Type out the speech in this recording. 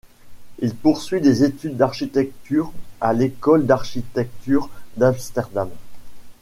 Il poursuit des études d'architecture à l'école d'architecture d'Amsterdam.